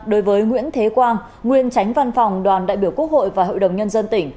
đối với nguyễn thế quang nguyên tránh văn phòng đoàn đại biểu quốc hội và hội đồng nhân dân tỉnh